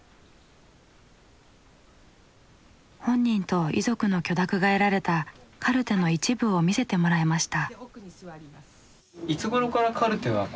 本人と遺族の許諾が得られたカルテの一部を見せてもらいました。